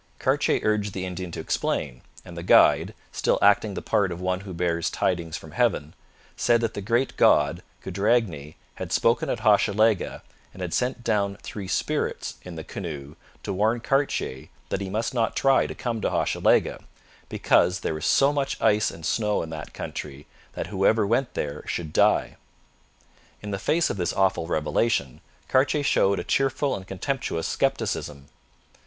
Cartier urged the Indian to explain, and the guide, still acting the part of one who bears tidings from heaven, said that the great god, Cudragny, had spoken at Hochelaga and had sent down three 'spirits' in the canoe to warn Cartier that he must not try to come to Hochelaga, because there was so much ice and snow in that country that whoever went there should die. In the face of this awful revelation, Cartier showed a cheerful and contemptuous scepticism.